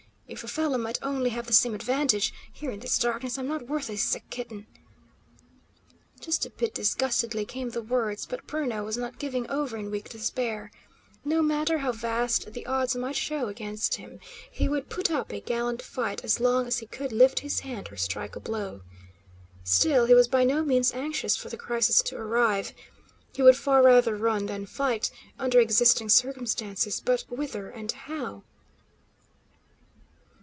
If a fellow might only have the same advantage; here in this darkness I'm not worth a sick kitten!" Just a bit disgustedly came the words, but Bruno was not giving over in weak despair. No matter how vast the odds might show against him, he would put up a gallant fight as long as he could lift his hand or strike a blow. Still, he was by no means anxious for the crisis to arrive. He would far rather run than fight, under existing circumstances; but whither, and how?